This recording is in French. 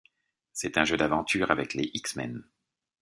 C'est un jeu d'aventure avec les X-Men.